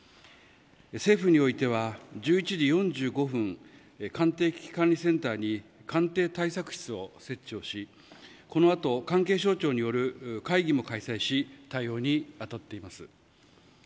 政府においては１１時４５分官邸危機管理センターに官邸対策室を設置をしこのあと関係省庁による会議も開催し対応に当たっています。